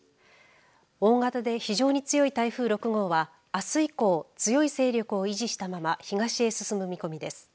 大型で非常に強い台風６号はあす以降強い勢力を維持したまま東へ進む見込みです。